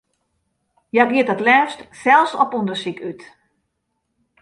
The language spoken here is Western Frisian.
Hja giet it leafst sels op ûndersyk út.